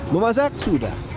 mau masak sudah